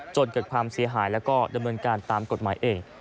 จนเกิดความเสียหายแล้วก็ดำเนินการตามกฎหมายเอง